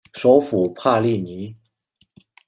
首府帕利尼。